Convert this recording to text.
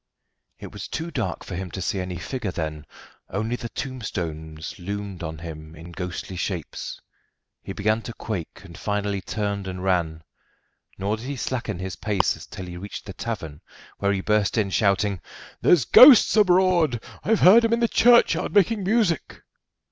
It was too dark for him to see any figure then, only the tombstones loomed on him in ghostly shapes. He began to quake, and finally turned and ran, nor did he slacken his pace till he reached the tavern, where he burst in shouting: "There's ghosts abroad. I've heard 'em in the churchyard making music."